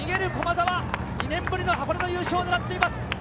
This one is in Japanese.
逃げる駒澤、２年ぶりの箱根の優勝をねらっています。